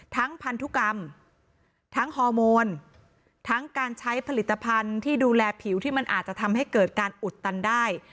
พันธุกรรมทั้งฮอร์โมนทั้งการใช้ผลิตภัณฑ์ที่ดูแลผิวที่มันอาจจะทำให้เกิดการอุดตันได้